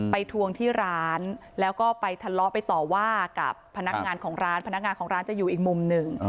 ทวงที่ร้านแล้วก็ไปทะเลาะไปต่อว่ากับพนักงานของร้านพนักงานของร้านจะอยู่อีกมุมหนึ่ง